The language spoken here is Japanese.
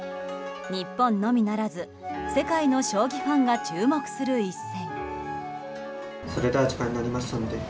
日本のみならず、世界の将棋ファンが注目する一戦。